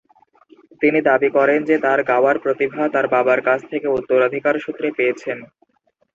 তিনি দাবি করেন যে তাঁর গাওয়ার প্রতিভা তাঁর বাবার কাছ থেকে উত্তরাধিকারসূত্রে পেয়েছেন।